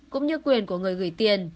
cũng như quyền của người gửi tiền